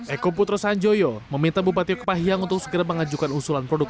eko putro sanjoyo meminta bupati kepahyang untuk segera mengajukan usulan produk